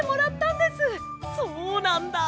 そうなんだ。